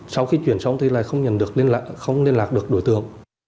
sau khi chuyển xong thì lại không nhận được không liên lạc được đối tượng